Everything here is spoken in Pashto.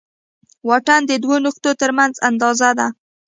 واټن د دوو نقطو تر منځ اندازه ده.